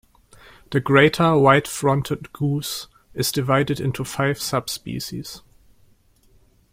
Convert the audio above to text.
The greater white-fronted goose is divided into five subspecies.